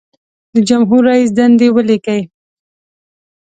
د جمهور رئیس دندې ولیکئ.